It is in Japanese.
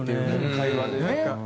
会話でね。